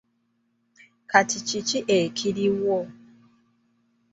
Kati kiki ekiriwo?